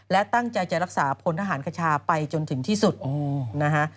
และตั้งใจจะรักษาพลทหารคชาไปจนถึงที่สุดนะฮะ